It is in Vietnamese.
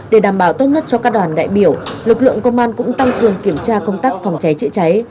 để đảm bảo tốt nhất cho các đoàn đại biểu lực lượng công an cũng tăng cường kiểm tra công tác phòng cháy chữa cháy